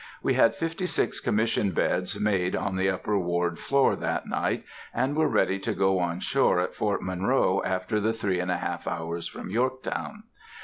We had fifty six Commission beds made on the upper ward floor that night, and were ready to go on shore at Fort Monroe after the three and a half hours from Yorktown.